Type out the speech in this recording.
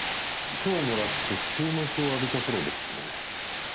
賞をもらって注目を浴びた頃ですね。